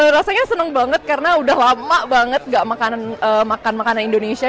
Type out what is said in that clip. rasanya senang banget karena udah lama banget gak makanan makan makanan indonesia